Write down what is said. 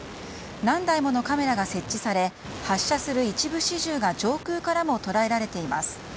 何台ものカメラが設置され発射する一部始終が上空からも捉えられています。